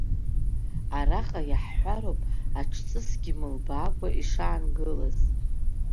Араҟа иаҳҳәароуп аҽҵысгьы мылбаакәа ишаангылаз.